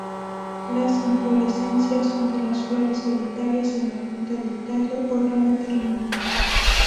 Las inflorescencias son de flores solitarias en la punta del tallo o rama terminal.